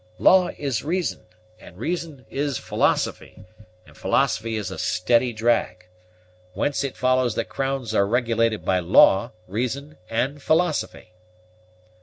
Law is reason, and reason is philosophy, and philosophy is a steady drag; whence it follows that crowns are regulated by law, reason, and philosophy."